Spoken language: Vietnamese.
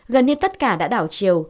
gần như tất cả đã đảo chiều